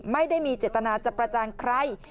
ไม่ได้มีเจตนาจะประจานใคร